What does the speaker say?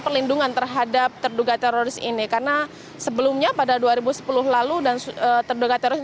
perlindungan terhadap terduga teroris ini karena sebelumnya pada dua ribu sepuluh lalu dan terduga teroris